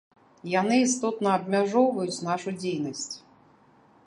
Яны істотна абмяжоўваюць нашу дзейнасць.